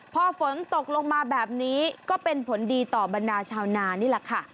พอฝนตกลงมาแบบนี้ก็เป็นผลดีต่อบรรดาชาวนานี่แหละค่ะ